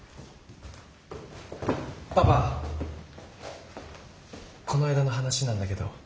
パパこの間の話なんだけど。